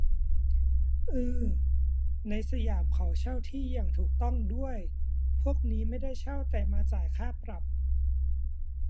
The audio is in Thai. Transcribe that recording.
อือ ในสยามเขาเช่าที่อย่างถูกต้องด้วย พวกนี้ไม่ได้เช่าแต่มาจ่ายค่าปรับ